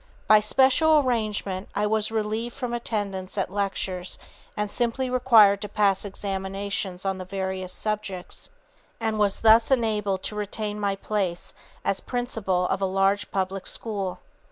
"By special arrangement, I was relieved from attendance at lectures and simply required to pass examinations on the various subjects, and was thus enabled to retain my place as principal of a large public school.